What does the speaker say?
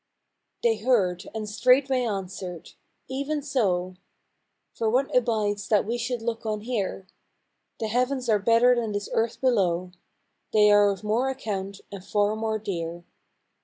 " They heard, and straightway answered, " Even so; For what abides that we should look on here? The heavens are better than this earth below, They are of more account and far more dear.